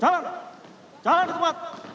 jalan jalan tempat